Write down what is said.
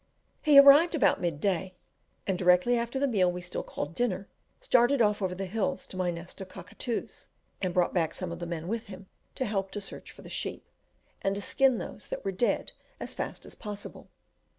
He arrived about mid day, and, directly after the meal we still called dinner, started off over the hills to my "nest of Cockatoos," and brought back some of the men with him to help to search for the sheep, and to skin those that were dead as fast as possible.